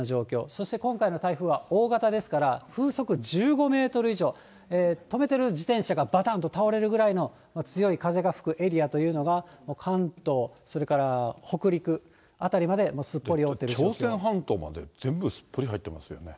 そして今回の台風は大型ですから、風速１５メートル以上、止めてる自転車がばたんと倒れるぐらいの強い風が吹くエリアというのが、関東、それから北陸辺りまで、朝鮮半島まで全部、すっぽり入ってますよね。